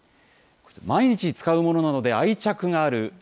毎日使うものなので愛着がある。